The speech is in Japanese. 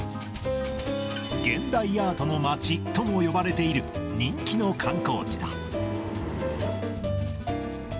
現代アートの町とも呼ばれている、人気の観光地だ。